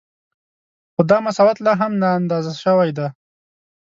خو دا مساوات لا هم نااندازه شوی دی